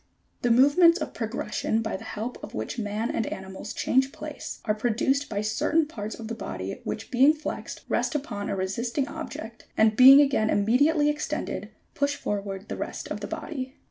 87. The movements of progression by the help of which man and animals change place, are produced by certain parts of the body which being flexed, rest upon a resisting object, and being again immediately extended, push forward the rest of the body.